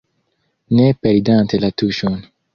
Ne perdante la tuŝon.